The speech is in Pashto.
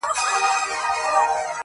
• ته دي نظمونه د جانان په شونډو ورنګوه -